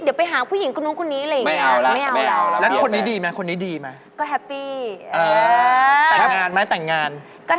เดี๋ยวไปหาผู้หญิงคนนู้นคนนี้อะไรอย่างนี้